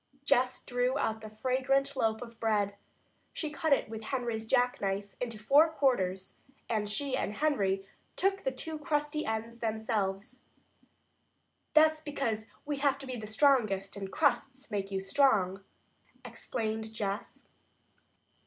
Jess drew out the fragrant loaf of bread. She cut it with Henry's jackknife into four quarters, and she and Henry took the two crusty ends themselves. "That's because we have to be the strongest, and crusts make you strong," explained Jess.